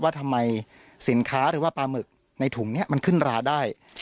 ว่าทำไมสินค้าหรือว่าปลาหมึกในถุงนี้มันขึ้นราได้